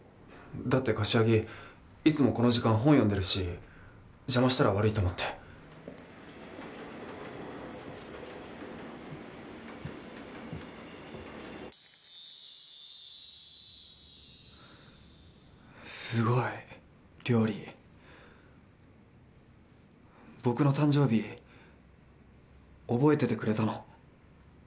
だって柏木いつもこの時間本読んでるし邪魔したら悪いと思ってすごい料理僕の誕生日覚えててくれたの？